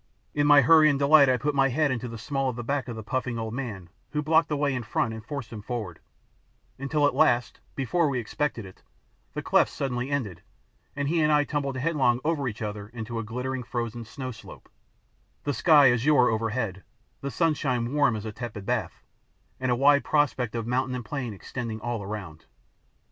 In my hurry and delight I put my head into the small of the back of the puffing old man who blocked the way in front and forced him forward, until at last before we expected it the cleft suddenly ended, and he and I tumbled headlong over each other on to a glittering, frozen snowslope; the sky azure overhead, the sunshine warm as a tepid bath, and a wide prospect of mountain and plain extending all around.